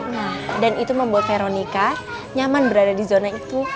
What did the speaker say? nah dan itu membuat veronica nyaman berada di zona itu